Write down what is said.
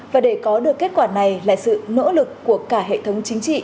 và để có được kết quả này là sự nỗ lực của cả hệ thống chính trị